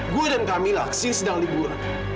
gue dan kamila kesini sedang liburan